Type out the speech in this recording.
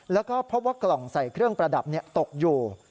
แล้วก็พบว่ากล่องใส่เครื่องประดับตกอยู่